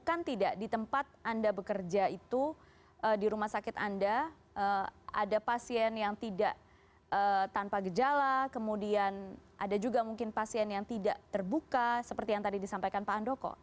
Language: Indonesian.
bukan tidak di tempat anda bekerja itu di rumah sakit anda ada pasien yang tidak tanpa gejala kemudian ada juga mungkin pasien yang tidak terbuka seperti yang tadi disampaikan pak andoko